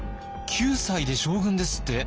９歳で将軍ですって？